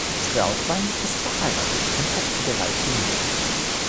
Trautwein ist verheiratet und hat drei Kinder.